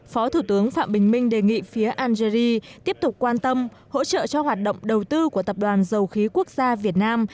phó thủ tướng phạm bình minh đề nghị phía algerie tiếp tục quan tâm hỗ trợ cho hoạt động đầu tư của tập đoàn dầu khí quốc gia việt nam